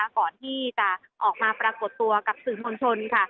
ก่อนที่จะออกมาปรากฏตัวกับสื่นคนชน